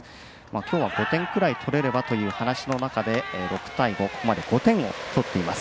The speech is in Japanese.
きょうは５点ぐらい取れればという話の中で６対５ここまで５点を取っています。